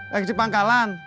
lagi di pangkalan